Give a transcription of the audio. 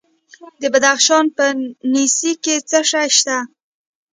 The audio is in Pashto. د بدخشان په نسي کې څه شی شته؟